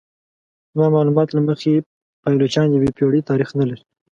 زما معلومات له مخې پایلوچان یوې پیړۍ تاریخ نه لري.